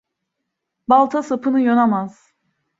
Balta sapını yonamaz.